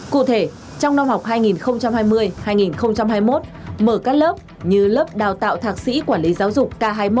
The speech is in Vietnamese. cụ thể trong năm học hai nghìn hai mươi hai nghìn hai mươi một mở các lớp như lớp đào tạo thạc sĩ quản lý giáo dục k hai mươi một